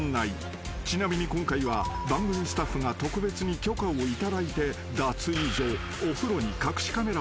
［ちなみに今回は番組スタッフが特別に許可をいただいて脱衣所お風呂に隠しカメラを設置］